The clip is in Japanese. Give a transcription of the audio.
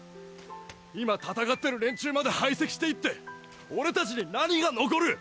今戦ってる連中まで排斥していって俺達に何が残る！？